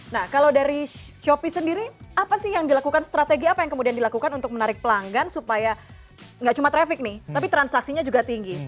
nah kalau dari shopee sendiri apa sih yang dilakukan strategi apa yang kemudian dilakukan untuk menarik pelanggan supaya nggak cuma traffic nih tapi transaksinya juga tinggi